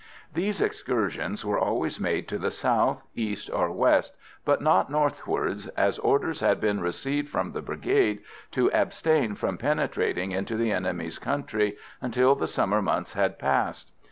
These excursions were always made to the south, east or west, but not northwards, as orders had been received from the Brigade to abstain from penetrating into the enemy's country until the summer months had passed.